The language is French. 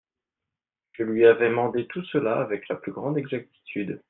Je lui avais mandé tout cela avec la plus grande exactitude.